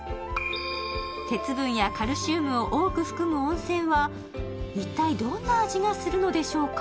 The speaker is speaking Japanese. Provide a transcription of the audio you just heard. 鉄分やカルシウムを多く含む温泉は一体どんな味がするのでしょうか？